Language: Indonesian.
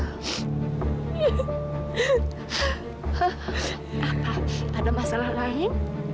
hah apa ada masalah lain